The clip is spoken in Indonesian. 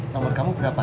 nomor kamu berapa